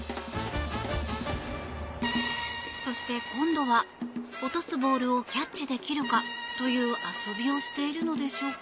そして今度は、落とすボールをキャッチできるかという遊びをしているのでしょうか。